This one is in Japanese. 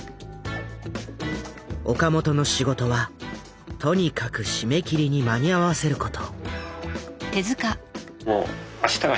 岡本の仕事はとにかく締め切りに間に合わせること。